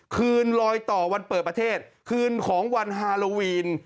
คืนลอยต่อวันเปิดประเทศคืนของวันฮาโลวีน